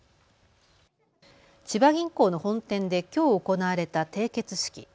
千葉銀行の本店できょう行われた締結式。